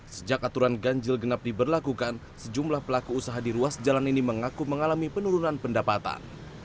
sejak aturan ganjil genap diberlakukan sejumlah pelaku usaha di ruas jalan ini mengaku mengalami penurunan pendapatan